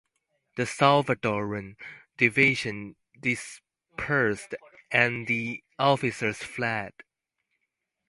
The Salvadoran division dispersed and the officers fled.